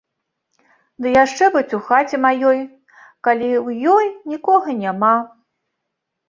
Ды яшчэ быць у хаце маёй, калі ў ёй нікога няма.